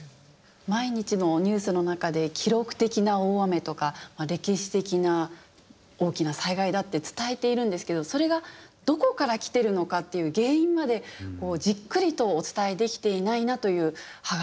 毎日のニュースの中で「記録的な大雨」とか「歴史的な大きな災害だ」って伝えているんですけどそれがどこからきてるのかっていう原因までじっくりとお伝えできていないなという歯がゆさも感じますね。